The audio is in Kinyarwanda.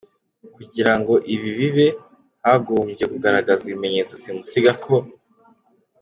Kugirango ibi bibe, hagombye kugaragazwa ibimenyetso simusiga ko: